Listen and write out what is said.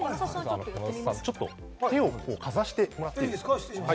山里さん、手をかざしてもらっていいですか？